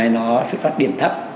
nó xuất phát điểm thấp